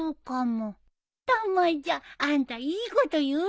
たまちゃんあんたいいこと言うね！